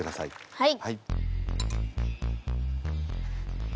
はい。